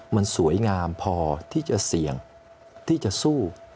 มันสวยงามพอที่จะเสี่ยงที่จะสู้